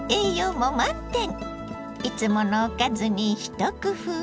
いつものおかずに一工夫。